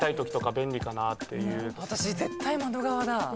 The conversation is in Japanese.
私絶対窓側だ。